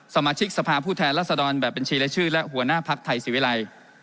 สมาชิกสภาพผู้แทนรัศดรแบบบัญชีและชื่อและหัวหน้าภักดิ์ไทยศิวิรัย